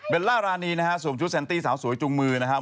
ล่ารานีนะฮะสวมชุดแซนตี้สาวสวยจุงมือนะครับ